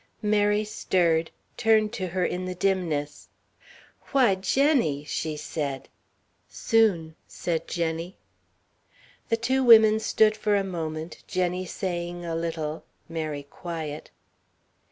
Mary stirred, turned to her in the dimness. "Why, Jenny!" she said. "Soon," said Jenny. The two women stood for a moment, Jenny saying a little, Mary quiet.